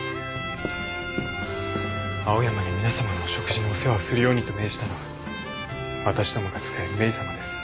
青山に皆さまのお食事のお世話をするようにと命じたのはわたしどもが仕えるメイさまです。